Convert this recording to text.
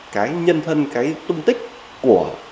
cái nhân thân cái tung tích của